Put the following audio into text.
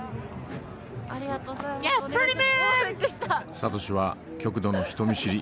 サトシは極度の人見知り。